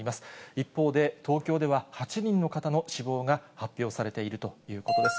一方で、東京では８人の方の死亡が発表されているということです。